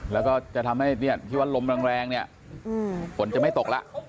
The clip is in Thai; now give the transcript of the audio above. แล้วก็จะทำให้บรมแรงฝนจะไม่ตกล่ะ